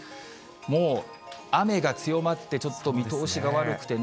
もう雨が強まって、ちょっと見通しが悪くてね。